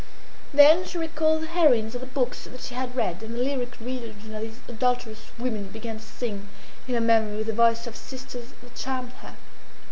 Then she recalled the heroines of the books that she had read, and the lyric legion of these adulterous women began to sing in her memory with the voice of sisters that charmed her.